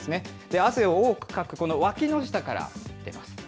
汗を多くかくこのわきの下から出ます。